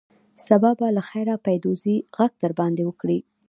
سبا به له خیره پیدوزي غږ در باندې وکړي.